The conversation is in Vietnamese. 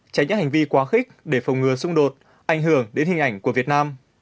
tránh những hành vi quá khích để phòng ngừa xung đột ảnh hưởng đến hình ảnh của việt nam